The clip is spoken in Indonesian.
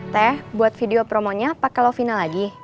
teh buat video promonya pake lovina lagi